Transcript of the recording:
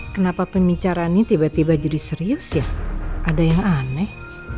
kenapa pembicaraannya tiba tiba jadi serius ya ada yang aneh